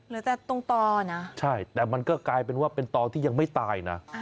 เหลือแต่ตรงต่อนะใช่แต่มันก็กลายเป็นว่าเป็นตอที่ยังไม่ตายนะ